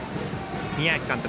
宮秋監督。